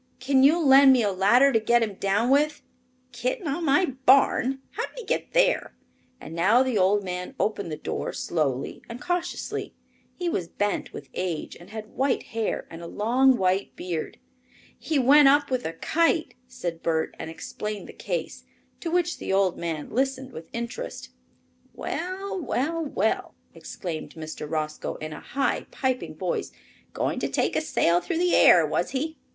Can you lend me a ladder to get him down with?" "Kitten on my barn? How did he get there?" and now the old man opened the door slowly and cautiously. He was bent with age and had white hair and a long white beard. "He went up with a kite," said Bert, and explained the case, to which the old man listened with interest. "Well! well! well!" exclaimed Mr. Roscoe, in a high piping voice. "Going to take a sail through the air, was he?